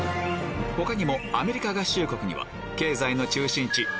他にもアメリカ合衆国には経済の中心地